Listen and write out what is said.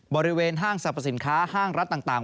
บริเวณห้างสรรพสินค้าห้างรัฐต่าง